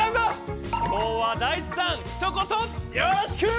今日はダイチさんひと言よろしく！